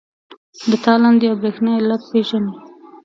د تالندې او برېښنا علت پیژنئ؟